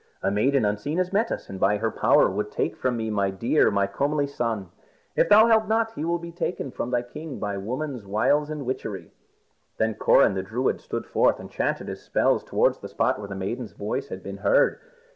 A maiden unseen has met us, and by her power would take from me my dear, my comely son. If thou help not, he will be taken from thy king by woman's wiles and witchery." Then Coran the Druid stood forth and chanted his spells towards the spot where the maiden's voice had been heard.